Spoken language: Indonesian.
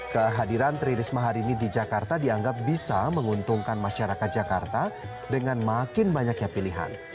kehadiran tri risma hari ini di jakarta dianggap bisa menguntungkan masyarakat jakarta dengan makin banyaknya pilihan